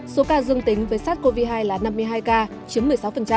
số ca dương tính với sát covid hai là năm mươi hai ca chiếm một mươi sáu